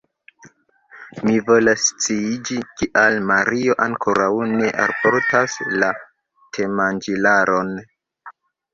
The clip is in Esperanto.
Mi volas sciiĝi, kial Mario ankoraŭ ne alportas la temanĝilaron.